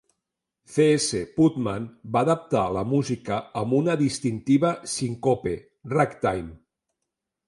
C. S. Putman va adaptar la música amb una distintiva síncope "ragtime".